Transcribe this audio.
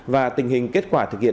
và tình hình kết quả thực hiện